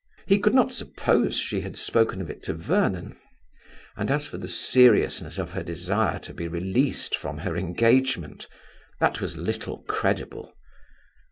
He could not suppose she had spoken of it to Vernon. And as for the seriousness of her desire to be released from her engagement, that was little credible.